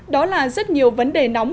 đó là rất nhiều vấn đề nóng